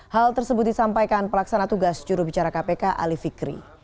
hal tersebut disampaikan pelaksana tugas jurubicara kpk ali fikri